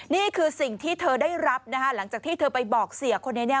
นี่คือสิ่งที่เธอได้รับนะคะหลังจากที่เธอไปบอกเสียคนนี้